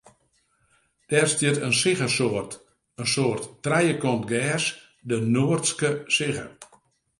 Dêr stiet in siggesoart, in soart trijekant gers, de noardske sigge.